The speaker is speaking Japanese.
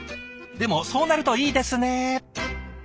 でもそうなるといいですね。